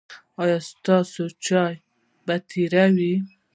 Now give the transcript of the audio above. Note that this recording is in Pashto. ایا ستاسو چای به تیار وي؟